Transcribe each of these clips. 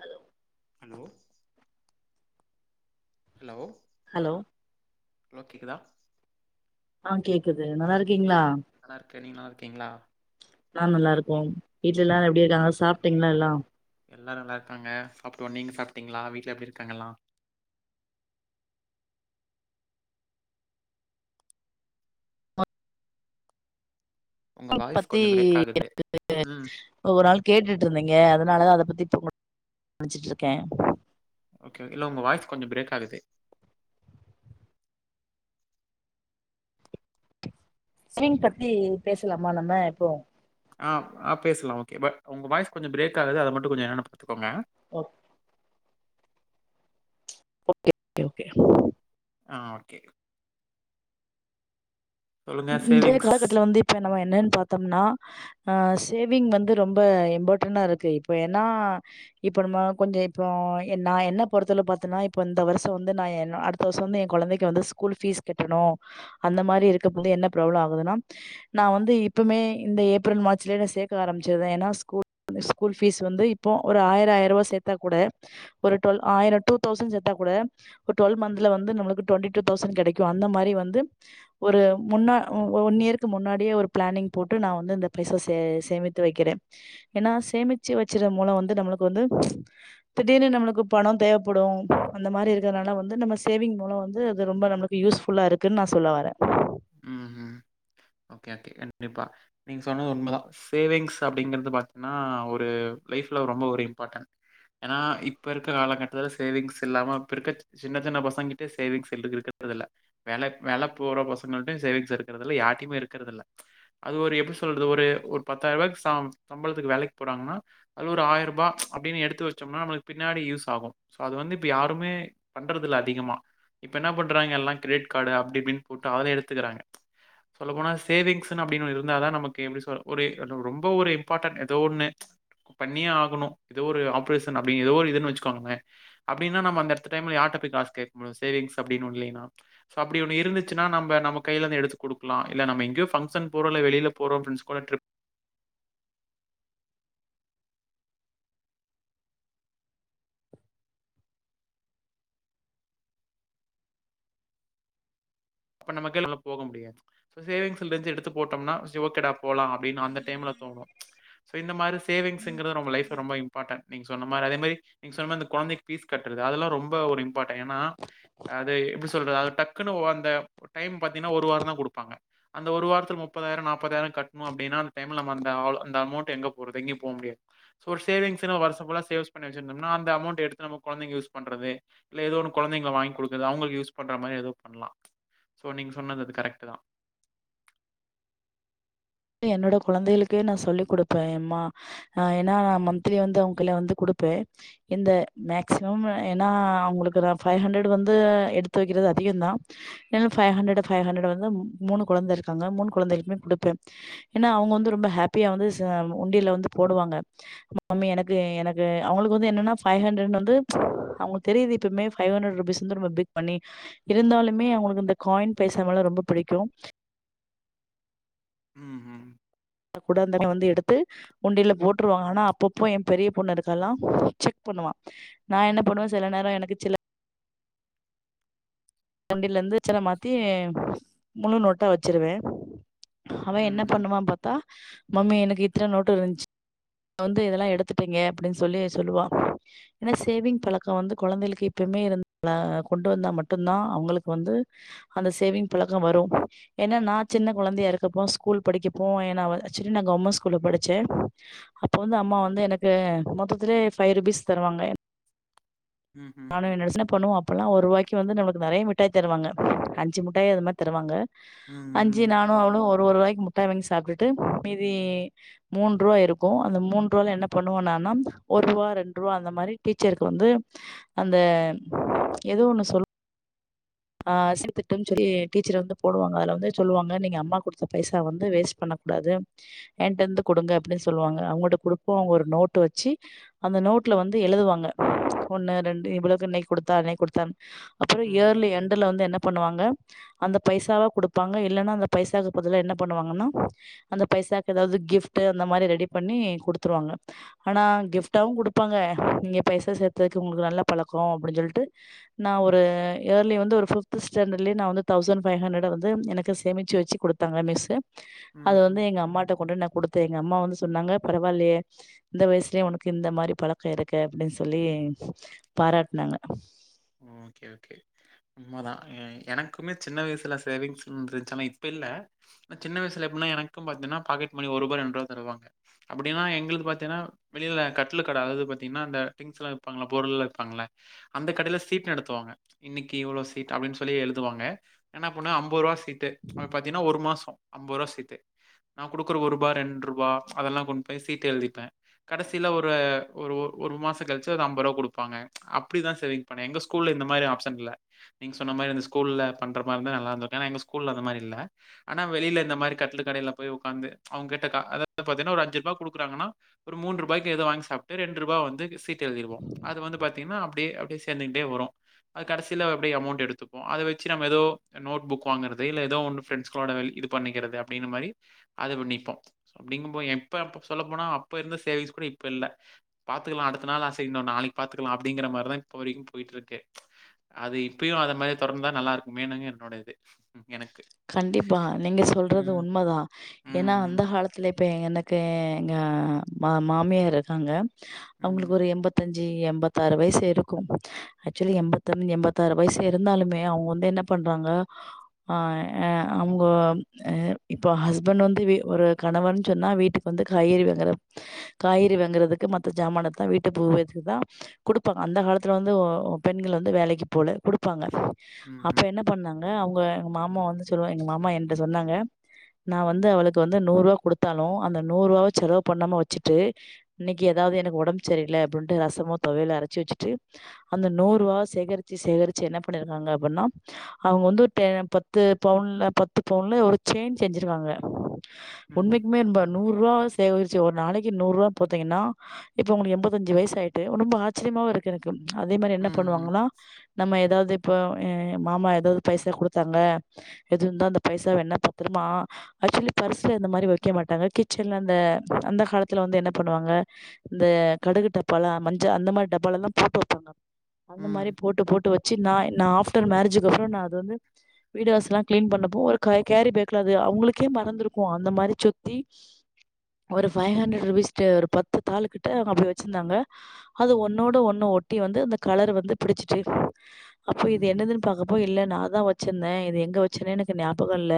Hello hello hello hello hello கேக்குதா ஆ கேக்குது நல்லா இருக்கீங்ளா நல்லாருக்க நீங்க நல்லா இருக்கீங்ளா நா நல்லா இருக்கோ வீட்ல எல்லாரு ஓகே எப்டி ஓகே இருக்காங்க சாப்ட்டீங்ளா எல்லா எல்லாரு நல்லா இருக்காங்க சாப்ட்டோ நீங்க ‌சாப்ட்டீங்ளா வீட்ல எப்டி இருக்காங்க எல்லா உங்க அத வாய்ஸ் பத்தி கொஞ்சோ பிரேக் ஆகுது எனக்கு தெரியாது ம் ஒவ்வொரு ஆள் கேட்டுட்டு இருந்தீங்க அதனால தா அத பத்தி ப்ரமோட் [inaudible] கவனிச்சிட்டுருக்க ஓகே ஓகே இல்ல உங்க வாய்ஸ் கொஞ்சோ பிரேக் ஆகுது. ஸ்விங் பத்தி பேசலாமா நம்ம இப்போ. ஆவ் ஆ பேசலா ஓகே ப உங்க வாய்ஸ் கொஞ்சோ பிரேக் ஆகுது அத மட்டு கொஞ்சோ என்னன்னு பாத்துக்கோங்க. ஓ [inaudible] ஓகே. ஆ ஒர்க்கேக் சொல்லுங்க இன் இன்றைய சேவிங்ஸ் காலகட்டத்ல வந்து இப்ப நம்ம என்னன் பாத்தம்னா ஆ சேவிங் வந்து ரொம்ப இம்பாட்டனா இருக்கு இப்ப ஏன்னா இப்பொ நம்ம கொஞ்சோ இப்போ என் நா என்ன பொறத்தளவு பாத்தன்னா இப்ப இந்த வருஷோ வந்து நா எ என்னோ அடுத் ப்போஸ் வந்து எ கொழந்தைக்கு வந்து ஸ்கூல் ஃபீஸ் கட்டணு அந்த மாரி இருக்கப் வந்து என்ன ப்ராப்ளோ ஆவுதுன்னா நா வந்து இப்புமே இந்த ஏப்ரல் மார்ச்லியே நா சேக்க ஆரமிச்சிருதே ஏனா ஸ்கூ ந்த ஸ்கூல் ஃபீஸ் வந்து இப்போ ஒரு ஆயிர ஆயிருவா சேத்தா கூட ஒரு டுவல் ஆயிரோ டூ தௌசண் சேத்தா கூட இப்ப டுவெல் மந்த்ல வந்து நம்மளுக்கு டுவெண்டி டூ தௌசண் கெடைக்கு அந்த மாரி வந்து ஒரு முன்னா உ ஒ ஒன் இயர்க்கு முன்னாடியே ஒரு பிளானிங் போட்டு நா வந்து இந்த பைசா சே சேமித்து வைக்கிறே. ஏனா சேமிச்சு வெச்சிற மூலோ வந்து நம்மளுக்கு வந்து திடீர்னு நம்மளுக்கு பணோ தேவைப்படு அந்த மாரி இருக்கற்னால வந்து நம்ம சேவிங் மூலோ வந்து அது ரொம்ப நம்முளுக் கு யூஸ்ஃபுல்லா இருக்குன் நா சொல்ல வறே. ம் ஹு ஓகே ஓகே கண்டிப்பா நீங்க சொன்னது உண்மதா. சேவிங்ஸ் அப்டிங்கிறது பாத்திங்ன்னா ஒரு லைஃப்ல ரொம்ப ஒரு இம்பாட்டன். ஏனா இப்ப இருக்க காலக்கட்டத்துல சேவிங்ஸ் இல்லாம இப்பிருக்கக் சின்னச் சின்ன பசங்கிட்டியே சேவிங்ஸ் [unintelligible] இருக்குறதுல்ல. வேலக் வேல போற பசங்கள்ட்டியு சேவிங்ஸ் இருக்கறது இல்ல யார்டிமு இருக்கறதில்ல. அது ஒரு எப்டி சொல்றது ஒரு ஒரு பத்தாயிருவாய்க் சாம் சம்பளத்துக்கு வேலைக் போறாங்கன்னா அது ஒரு ஆய்ருபா அப்டினு எடுத்து வெச்சம்னா நம்மளு பின்னாடி யூஸ் ஆகு. சோ அது வந்து இப்ப யாருமே பண்றதுல்ல அதிகமா. இப்ப என்ன பண்றாங்க எல்லா கிரெடிட் காடு அப்டி இப்டின் போட்டு அதுல எடுத்துக்கறாங்க சொல்ல போனா ஸ் சேவிங்ஸ்னு அப்டினு இருந்தா தா நமக்கு எப்டி சொ ஒரே ரொ ரொம்ப ஒரு இம்பாட்டண்ட் எதோ ஒன்னு பண்ணியே ஆகணு எதோ ஒரு ஆப்ரேஷன் அப்டி எதோ ஒரு இதுன் வெச்சுக்கோங்ளே அப்டினா நம்ம அந்த எட்த்த டைம்ல யார்ட்ட போய் காசு கேக் முடியு சேவிங்ஸ் அப்டின் ஒன் இல்லீனா. சோ அப்டி ஒன்னு இருந்துச்சுனா‌ நம்ப நம்ம கையிலந்து எடுத்து குடுக்லா இல்ல நம்ம எங்கியோ ஃபங்ஷன் போறோ இல்ல வெளில போறோ ஃப்ரெண்ட்ஸ் கூட ட்ரிப் அப்ப நமக்கே [inaudible] உள்ள போக முடியாது. சோ சேவிங்ஸ்லிர்ஞ்ச்சு எடுத்து போட்டம்னா செ ஓகேடா அப் போலா அப்டினு அந்த டைம்ல தோணு சோ இந்த மாரி சேவிங்ஸுங்கிறது ரொம்ப லைஃப்ல ரொம்ப இம்பாட்டண். நீங் சொன்ன மார அதே மாரி நீங்க சொன்ன மாரி இந்த கொழந்தைக் பீஸ் கட்றது அதெல்லா ரொம்ப ஒரு இம்பாட்ட ஏனா அது எப்டி சொல்றது அத டக்குனு ஒ அந்த டைம் பாத்தீங்னா ஒரு வாரந்தா குடுப்பாங்க. அந்த ஒரு வாரத்துல முப்பதாயிரோ நாப்பதாயிரோ கட்ணு அப்டினா அந்த டைம்ல நம்ம அந்த ஆளு அந்த அமௌண்ட்டு எங்க போறது எங்கியு போ முடியாத் சோ ஒரு சேவிங்ஸ்னு வருஷ ஃபுல்லா சேவ்ஸ் பண்ணி வெச்சிருந்தம்னா அந்த அமௌண்ட்ட எடுத்து நம கொழந்தைக்கு யூஸ் பண்றது இல்ல எதோ ஒன்னு கொழந்தைங்கள வாய்ங் குடுக்கறது அவுங்குளுக்கு யூஸ் பண்ற மாரி எதோ பண்லா. சோ நீங்க சொன்ன அந்த இது கரெக்ட்டுதா. என்னோட கொழந்தைகளுக்கே நா சொல்லிக் குடுப்பே எம்மா அ ஏனா நா மந்த்லி வந்து அவுங் கைல வந்து குடுப்பே. இந்த மேக்சிமம் ஏனா அவுங்குளுக்கு நா ஃபை ஹண்ரடு வந்து எடுத்து வெக்கிறது அதிகந்தா. என்ல் ஃபை ஹண்ரடு ஃபை ஹண்ரட வந்து ம் மூணு குழந்த இருக்காங்க மூன் குழந்தைள்க்குமே குடுப்பே. ஏன்னா அவுங்க வந்து ரொம்ப ஹேப்பியா வந்து ச உண்டியல்ல வந்து போடுவாங்க. மாம்மி எனக்கு எனக்கு அவங்களுக்கு வந்து என்னன்னா பைவ் ஹண்ட்ரடன் வந்து அவங்க தெரியுது த்துமே ஃபைவ் ஹண்ட்ரட் ருபீஸ் வந்து நம்ம பிக் பண்ணி இருந்தாலுமே அவங்களுக்கு இந்த காயின் பைசானாங்கல்லா ரொம்ப புடிக்கு ம் த கூட வந்தவங்க வந்து எடுத்து உண்டியில போட்டுருவாங்க ஆனா அப்பப்போ ஏ பெரிய பொண்ணு அதுக்கால செக் பண்ணுவா நா என்ன பண்ணுவே சில நேரோ எனக்கு சில உண்டியலருந்து சில்ல மாத்தி முழு நோட்டா வச்சிருவே அவே என்ன ம்ஹ்ம். பண்ணுவா பாத்தா மம்மி எனக்கு இத்தன நோட்டு விழுந்துச்சு வந்து இதெல்லா எடுத்துட்டீங்க அப்டின்னு சொல்லி சொல்லுவா ஏன்னா சேவிங் பழக்கோ வந்து கொழந்தைகளுக்கு இப்பவுமே இருந் [inaudible] ஆ கொண்டு வந்தா மட்டு ந்தா அவங்களுக்கு வந்து அந்த சேவிங் பழக்கோ வரு ஏன்னா நான் சின்ன குழந்தையா இருக்கப்போ ஸ்கூல் படிக்கப்போ நா வந்து அ செரி நா கவர்மெண்ட் ஸ்கூல்ல படிச்சே அப்போ வந்து அம்மா வந்து எனக்கு மொத்தத்துலயே ஃபைவ் ருபீஸ் தருவாங்க ம்ஹ்ம். நானு என்னொட சின்ன பொண்ணு ஒரு ரூவாய்க்கி வந்து நமக்கு நறைய மிட்டாய் தருவாங்க அஞ்சு மிட்டாய் அது மாரி தருவாங்க ம், அஞ்சு ம். நானு அவளு ஒரு ஒரு வாய்க்கி முட்டாய் வாங்கி சாப்புட்டுட்டு மீதி மூன்று ரூபா இருக்கு அந்த மூன்ரூவால என்ன பண்ணுவோனான்னா ஒரு ரூவா ரெண்டு ரூபா அந்த மாரி டீச்சருக்கு வந்து அந்த ஏதோ ஒண்ணு சொல் அ சீ்த்தட்டுன்னு சொல்லி டீச்சர் வந்து போடுவாங்க அதுல வந்து சொல்லுவாங்க நீங்க அம்மா குடுத்த பைசா வந்து வேஸ்ட் பண்ணக்கூடாது என்ட்டருந்து குடுங்க அப்டின்னு சொல்லுவாங்க அவுங்கள்ட குடுப்போ அவங்க ஒரு நோட்டு வச்சு அந்த நோட்ல வந்து எழுதுவாங்க ஒண்ணு ரெண்டு இவ்வளவுக்கு இன்னைக்கி குடுத்தா அன்னைக்கி குடுத்தான்னு அப்புறோ ம். இயர்லி எண்ட்ல வந்து என்ன பண்ணுவாங்க அந்த பைசாவா குடுப்பாங்க இல்லன்னா அந்த பைசாக்கு பதில என்ன பண்ணுவாங்கன்னா அந்த பைசாக்கு ஏதாவது கிஃப்ட்டு அந்த மாரி ரெடி பண்ணி குடுத்துருவாங்க ஆனா கிஃப்ட்டாவு குடுப்பாங்க நீங்க பைசா சேத்ததுக்கு உங்களுக்கு நல்ல பழக்கோ அப்டின்னு சொல்ட்டு நா ஒரு ஏர்லி வந்து ஒரு ஃபிஃப்து ஸடாண்டர்லயே நா வந்து தௌசண்ட் ஃபைவ் ஹண்ட்ரட வந்து எனக்கு சேமிச்சு வச்சு குடுத்தாங்க மிஸ்ஸு அது வந்து ம்ஹ்ம். எங்க அம்மா கிட்ட கொண்டு நா குடுத்தே எங்க அம்மா வந்து சொன்னாங்க பரவால்லையே இந்த வயசுலயே உனக்கு இந்த மாரி பழக்கோ இருக்கே அப்டின்னு சொல்லி பாராட்னாங்க ம் ஓகே ஓகே உண்மாதா எ எனக்குமே சின்ன வயசுல சேவிங்ஸ்ன் இருந்துச்சுன்னா ஆனா இப்ப இல்ல சின்ன வயசுல எப்டினா எனக்கும் பாத்தீங்கன்னா பாக்கெட் மணி ஒரு ரூபா ரெண்டு ரூபா தருவாங்க அப்டின்னா எங்களுது பாத்தீங்கன்னா வெளியில கட்லு கட அதாவது பாத்தீங்கன்னா அந்த திங்ஸ்ல்லா வெப்பாங்கல்ல பொருள்லா வெப்பாங்கல்ல அந்த கடையில சீ்ட் நடத்துவாங்க இன்னைக்கி இவ்ளோ சீட் அப்டின்னு சொல்லி எழுதுவாங்க என்ன பண்ண ஐம்பது ரூபா சீட் டு அது பாத்தீங்கன்னா ஒரு மாசோ அம்பது ரூபா சீட்டு நா குடுக்குற ஒரு ரூபா ரெண்ட்ரூபா அதெல்லா கொண்டு போய் சீட்டு எழுதிப்பே கடைசியில ஒரு ஒரு ஒரு மாசோ கழிச்சு ஒரு ஐம்பது ரூபா குடுப்பாங்க அப்டிதா சேவிங் பண்ணே எங்க ஸ்கூல்ல இந்த மாரி ஆப்ஷன் இல்ல நீங்க சொன்ன மாரி அந்த ஸ்கூல்ல பண்ற மாரிருந்தா நல்லாருத்துருக்கு ஏனா எங்க ஸ்கூல்ல அந்த மாரி இல்ல ஆனா வெளியில இந்த மாரி கட்லுகடயில போய் உக்காந்து அவங்க கிட்ட கா அதாவது பாத்தீன்னா ஒரு அஞ்சு ரூபா குடுக்குறாங்கன்னா ஒரு மூன்றுரூபாய்க்கி எதாது வாங்கி சாப்ட்டு ரெண்டு ரூபா வந்து சீட்டு எழுதிருவோ அது வந்து பாத்தீங்கன்னா அப்டியே அப்டியே சேந்துக்கிட்டே வரு அது கடைசில அப்டி அமௌண்ட் எடுத்துபோ அத வச்சு நம்மதோ நோட் புக் வாங்கறத இல்ல ஏதோ ஒரு ஃப்ரெண்ட்ஷ் கோட வெளி இது பண்ணிக்கிறது அப்டின்ன மாரி அதுல நிப்போ சோ அப்டிங்கும் போது எப்ப அப்ப சொல்லப் போனா அப்ப இருந்த சேவிங்ஸ் கூட இப்ப இல்ல பாத்துக்கலாம் அடுத்த நாள் அசை செய்ய இன்னும் நாளைக்கி பாத்துக்கலாம் அப்படிங்கிற மாரிதா இப்ப வரைக்கு போயிட்டு இருக்கு அது இப்பயும் அத மாரி தொடர்ந்தா நல்லா இருக்கு மேணு என்னோடையது கண்டிப்பா நீங்க சொல்றது ம். உண்மதா ஏன்னா அந்த ம். காலத் ந்த இப்ப எனக்கு எங்க மா மாமியார் இருக்காங்க அவங்களுக்கு ம். ஒரு எண்பத் தஞ்சு எண்பத்தாறு வயசு இருக்கும் ஆக்சுவலி எண்பத்தஞ எண்பத்தாறு வயசு இருந்தாலுமே அவங்க வந்து என்ன பண்றாங்க ஆ அவங்க இப்போ ஹஸ்பண்ட் வந்து வீ ஒரு கணவன் சொன்னா வீட்டுக் வந்து காய்றி வாங்குற காய்கறி வாங்குறதுக்கு மத்த சாமான தா வீட்டு பூ வக்குதான் குடுப்பாங்க அந்த காலத்துல வந்து ஓ பெண்கள் வந்து வேலைக்கு போல குடுப்பாங்க அப்ப ம்ஹ்ம். என்ன பண்ணாங்க அவங்க எங்க மாமா வந்து சொல்லுவா எங்க மாமா என்ட சொன்னாங்க நா வந்து அவளுக்கு வந்து நூறு குடுத்தாலும் அந்த நூறு ரூபாவ செலவு பண்ணாம வச்சுட்டு இன்னைக்கி ஏதாது எனக்கு ஒடம்பு சரியல அப்டின்ட்டு ரசமும் தொவயது அரைச்சு வச்சிட்டு அந்த நூறு ரூபா சேகரிச்சு சேகரிச்சு என்ன பண்ணிருக்காங்க அப்புன்னா அவங்க வந்து டே பத்து பவுன்ல பத்து பவுன்ல ஒரு செயின் செஞ்சிருக்காங்க ம். உண்மைக்குமே நூறு ரூவா சேகரிச்சு ஒரு நாளைக்கு நூறு ரூவா போட்டீங்கன்னா இப்ப அவங்களுக்கு எண்பத்தஞ்சு வயசு ஆயிட்டு ரொம்ப ஆச்சரியமா இருக் னக்கு அதே மாரி என்ன ம்ஹ்ம். பண்ணுவாங்கன்னா நம்ம ஏதாது இப்போ ஏ மாமா ஏதாது பைசா குடுத்து த்தாங்க இருந்தா அந்த பைசாவ என்ன பத்ருமா ஆக்சுவலி பர்ஸ்ல இந்த மாரி வக்க மாட்டாங்க கிச்சன்ல அந்த அந்த காலத்துல வந்து என்ன பண்ணுவாங்க இந்த கடுகு டப்பால மஞ்ச அந்த மாரி டப்பால எல்லாம் போட்டு வப்பாங் அந்த மாரி ம். போட்டு போட்டு வச்சு நா நா ஆஃப்டர் மேரேஜக்கு அப்புறம் நா அது வந்து வீடு வாசல்லாம் கிளீன் பண்ணுறப்போ ஒரு க கேரி பாக்லே அது அவங்களுக்கே மறந்திருக்கும் அந்த மாரி சுத்தி ஒரு ஃபைவ் ஹண்டரட் ருபீஸ்ட்டு ஒரு பத்து தாளு கிட்ட அவங்க அப்பிடி வச்சிருந்தாங்க அது ஒன்னோட ஒண்ணு ஒட்டி வந்து அந்த கலர் வந்து பிடிச்சிட்டு அப்போ இது ம்ஹ்ம். ம். என்னதுன் பாக்கப்போ இல்ல நான் தா வச்சிருந்தேன் இது எங்க வச்சேன்னே எனக்கு ஞாபகம் இல்ல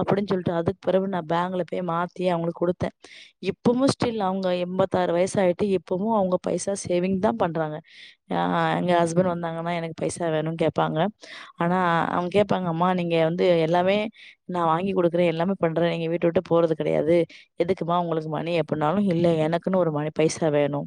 அப்படின் சொல்ட்டு அதுக்கு பெறவு நான் பாங்க்ல போய் மாத்தி அவங்களுக்கு குடுத்தேன் இப்பவும் ஸ்டில் அவங்க எண்பத்தாறு வயசு ஆயிட்டு இப்பவும் அவங்க பைசா சேவிங் தா பண்றாங்க அ எங்க ஹஸ்பண்ட் வந்தாங்கன்னா எனக்கு பைசா வேணு கேட்பாங்க ஆனா ம் அங்க கேடப்பாங்க அம்மா நீங்க வந்து எல்லாமே நான் வாங்கி கொடுக்குறேன் எல்லாமே பண்றேன் நீங்க வீட்ட விட்டு போறது கெடையாது எதுக்கும்மா உங்களுக்கு மணி எப்பன்னாலும் இல்ல எனக்குன்னு ஒரு மணி பைசா வேணும்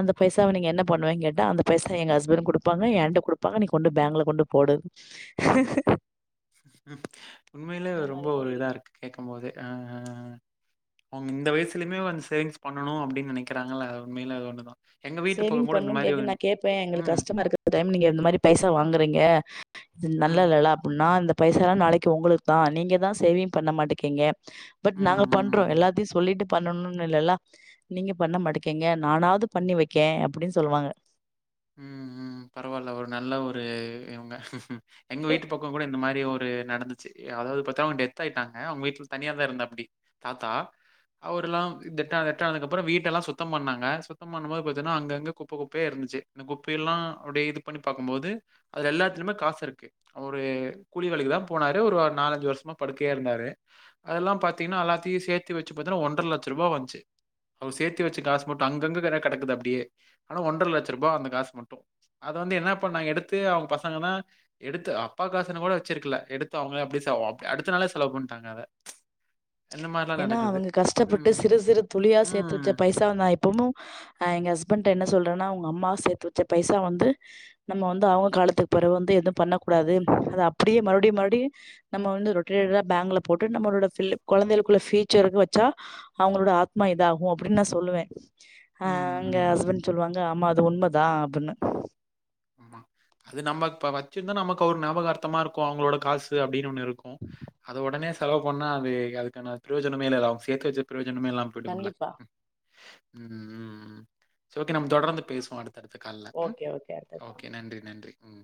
அந்த பைசாவ நீங்க என்ன பண்ணுவேங்க கேட்ட அந்த பைசா எங்க ஹஸ்பண்ட் குடுப்பாங்க என் எனிட்ட குடுப்பாங்க நீ கொண்டு பேங்க்ல கொண்டு போடு [unintelligible] உண்மைலே இந்த ரொம்ப மாரி தான் ஒரு இதா இருக்கு கேக்கும் போது அ அவங்க இந்த வயசுலுமே வந்து சேவி்ஸ் பண்ணும்அப்டி நெனைக்கிறாங்களல்ல உண்மைலே அது ஒண்னு தா சேவிங் பண்ணும் கே நா கேப்பே ம். எங்களுக்கு ம். கஷ்டமா இருக் டைம் நீங்க இந்த மாரி பைசா வாங்குறீங்க இது நல்ல ம். இல்லல அப்டின்னா இந்த பைசா நாளைக்கு உங்களுக்கு தான் நீங்க தான் சேவிங் பண்ண மாட்டேக்கீங்க பட் நாங்க ம். பண் ட்ரு ம் எல்லாத்தையும் சொல்லிட்டு பண்ணணும்னு இல்ல நீங்க பண்ண மட்டக்கேங்க நானாது பண்ணி வைக் கேன் அப்டி சொல்லுவாங்க ம் ம் பரவாயில ஒரு நல்ல ஒரு இவங்க எங்க வீட்டு பக் கோகுடட இந்த மாரி ஒரு நடந்துச்சு அதாது பத்தா அவங்கடெத் ஆயிட்டாங்கா அவங்க வீட்ல தனியா தா இருந்தாப்டி தாத்தா அவருல்லாம் டெத்தான த்தானக்கப்புறம் வீட்ட எல்லாம் சுத்தம் பண்ணாங்க சுத்தம் பண்ணும்போது பார்த்தங்கன்னா அங்க அங்க குப்ப குப்பயா இருந்துச்சு இந்த குப்பைய எல்லா அப்டியே இது பண்ணி பாக்கும்போது அதுல எல்லாத்துலயுமே காசு இருக்கு ஒரு கூலி வேலைக்குதான் போனாரு ஒரு நாலஞ்சு வருஷமா படுக்கையா இருந்தாரு அதெல்லாம் பாத்தீங்கன்னா எல்லாத்தையும் சேர்த்து வெச்சு பார்த்தீங்கன்னா ஒன்றரைலட்ச ரூபா வந்துச்சு அவரு சேர்த்தி வெச்ச காசு மட்டும் அங்கங்க கெடக் கெடக்குது அப்படியே ஆனா ஒன்றரை லட்ச ரூபா அந்த காசு மட்டும் அத வந்து என்னா பண்ணாங்க எடுத்து அவங்க பசங்கன்னா எடுத்து அப்பா காசுன்னு கூட வெச்சிருக்கல எடுத்து அவங்களே அப்பிடி செ அடுத்த நாளே செலவு பண்ணிட்டாங்க அத இந்த மாரிலாம் ஏன்னா நடக்குது. அவங்க கஷ்டப்பட்டு ம். சிறு சிறு துளியா சேர்த்து ம். வெச்ச பைசா நா எப்பமும் ஆ எங்க ஹஸ்பண்ட என்ன சொல்றன்னா உங்க அம்மா சேர்த்து வெச்ச பைசா வந்து நம்ம வந்து அவங்க காலத்துக்கு பிறவு வந்து எதுவும் பண்ண கூடாது அது அப்படியே மறுபடியும் மறுபடியும் நம்ம வந்து ரொட்டேடடா பேங்கல போட்டு நம்மளோட பிள்ள கொழந்தைகளுக்குள்ள ஃபியூச்சர்க்கு வச்சா அவங்களோட ஆத்மா இதாகும் அப்பிடின்னு நான் சொல்லுவேன் ஆ அங்க ம். ஹஸ்பண்ட் சொல்லுவாங்க ஆமா அது உண்மைதான் அப்படின்னு அது நம்ம இப்ப வச்சிருந்தா நமக்கு ஒரு ஞாபகார்த்தமா இருக்கும் அவங்களோட கா சு அப்பிடின்னு ஒண்ணு இருக்கும் அது உடனே செலவு பண்ணா அது அதுக்கான பிரயோஜனமே இல்ல அவங்க சேத்து வெச்சு பிரயோஜனமே இல்லாம போயிடும்ல கண்டிப்பா. ம் இட்ஸ் ஓகே நம்ம தொடர்ந்து பேசுவோம் அடுத்தடுத்த கால்ல ஓகே, ஓகே. அடுத்தது. ஓகே நன்றி நன்றி ம்